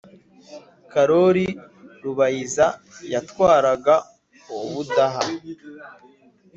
Karoli Rubayiza yatwaraga Ubudaha.